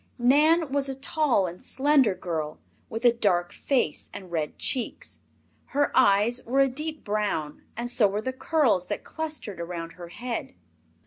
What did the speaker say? Nan was a tall and slender girl, with a dark face and red cheeks. Her eyes were a deep brown and so were the curls that clustered around her head.